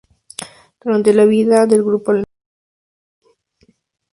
Durante la vida del grupo Almendra fue plomo de Rodolfo García.